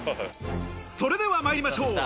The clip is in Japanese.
それでは参りましょう。